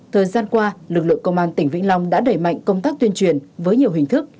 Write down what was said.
thời gian qua lực lượng công an tỉnh vĩnh long đã đẩy mạnh công tác tuyên truyền với nhiều hình thức